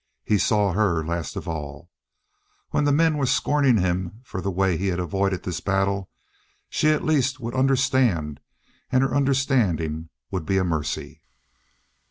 He saw her last of all. When the men were scorning him for the way he had avoided this battle, she, at least, would understand, and her understanding would be a mercy.